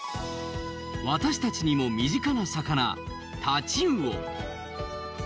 私たちにも身近な魚タチウオ。